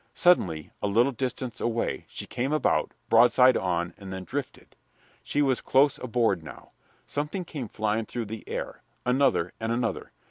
Suddenly, a little distance away, she came about, broadside on, and then drifted. She was close aboard now. Something came flying through the air another and another.